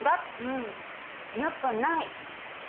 うんやっぱない。